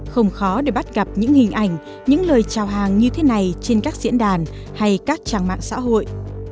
không khó để bắt gặp những hình ảnh những lời chào hàng như thế này trên các diễn đàn hay các trang mạng xã hội